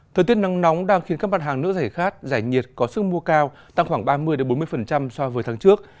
thời tiết nắng nóng đang khiến các mặt hàng nước giải khát giải nhiệt có sức mua cao tăng khoảng ba mươi bốn mươi so với tháng trước